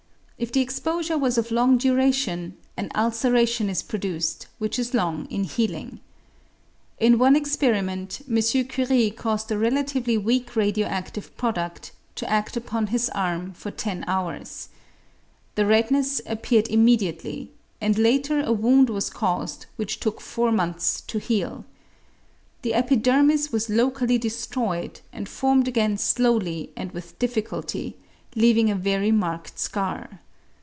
If the exposure was of long duration, an ulceration is produced which is long in healing. In one experiment, M. Curie caused a relatively weak radio adive produd to ad upon his arm for ten hours. The redness appeared immediately, and later a wound was caused which took four months to heal. The epidermis was locally destroyed, and formed again slowly and with difficulty, leaving a very marked scar.